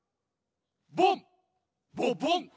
ボンボボン。